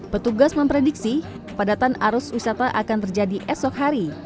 petugas memprediksi kepadatan arus wisata akan terjadi esok hari